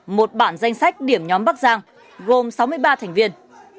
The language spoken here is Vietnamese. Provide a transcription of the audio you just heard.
một bản danh sách điểm nhóm bắc giang gồm sáu mươi ba thành viên